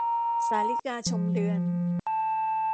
สาลิกาชมเดือน